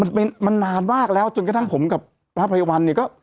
มันมันนานมากแล้วจนกระทั่งผมกับพระไพรวัลเนี่ยก็